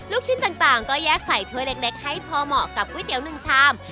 ลูกชิ้นต่างก็แยกใส่ถ้วยเล็กให้พอเหมาะกับก๋วยเตี๋ยว๑ชาม